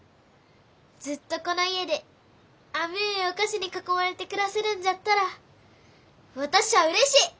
ずっとこの家で甘えお菓子に囲まれて暮らせるんじゃったら私ゃあうれしい！